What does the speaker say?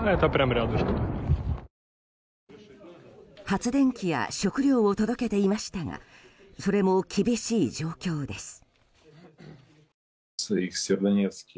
発電機や食料を届けていましたがそれも厳しい状況です。